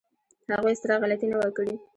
هغوی ستره غلطي نه وه کړې.